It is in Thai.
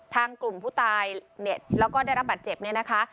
ทางกลุ่มผู้ตายเนี่ยแล้วก็ได้รับบัตรเจ็บเนี่ยนะคะ